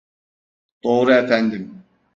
Doğru efendim.